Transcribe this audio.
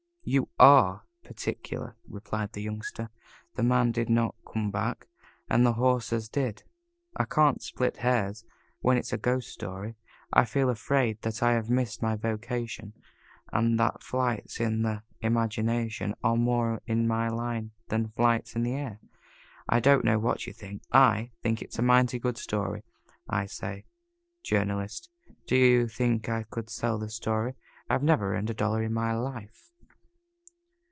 "You are particular," replied the Youngster. "The man did not come back, and the horses did. I can't split hairs when it's a ghost story. I feel afraid that I have missed my vocation, and that flights in the imagination are more in my line than flights in the air. I don't know what you think. I think it's a mighty good story. I say, Journalist, do you think I could sell that story? I've never earned a dollar in my life."